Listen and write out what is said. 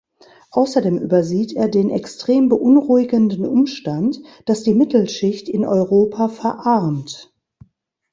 Außerdem übersieht er den extrem beunruhigenden Umstand, dass die Mittelschicht in Europa verarmt.